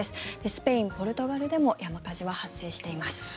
スペイン、ポルトガルでも山火事は発生しています。